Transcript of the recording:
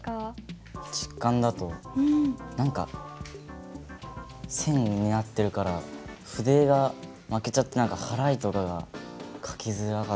竹簡だと何か線になってるから筆が負けちゃって払いとかが書きづらかったです。